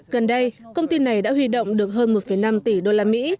gần đây công ty này đã huy động được hơn một năm tỷ đô la mỹ